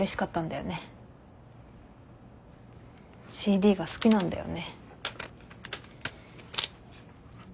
ＣＤが好きなんだよね。